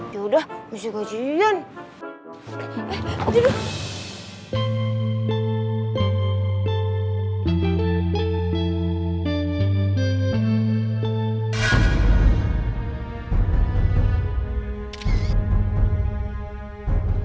yaudah masuk aja ian